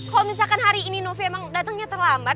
kalo misalkan hari ini novi emang datengnya terlambat